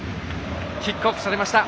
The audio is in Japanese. キックオフされました。